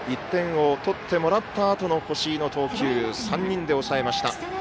１点を取ってもらったあとの越井の投球３人で抑えました。